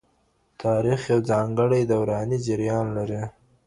تاریخ یو ځانګړی دوراني جریان لري.